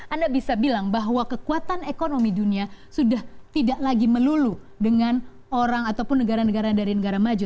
anda bisa bilang bahwa kekuatan ekonomi dunia sudah tidak lagi melulu dengan orang ataupun negara negara dari negara maju